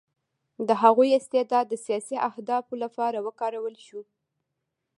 د هغوی استعداد د سیاسي اهدافو لپاره وکارول شو